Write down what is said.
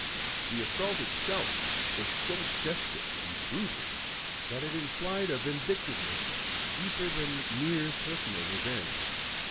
The assault itself was so desperate and brutal that it implied a vindictiveness deeper than mere personal revenge.